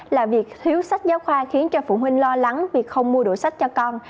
là việc thiếu sách giáo khoa khiến cho phụ huynh lo lắng vì không mua đủ sách cho con